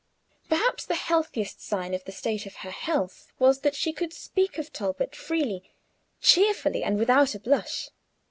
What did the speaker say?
Perhaps the healthiest sign of the state of her health was, that she could speak of Talbot freely, cheerfully, and without a blush.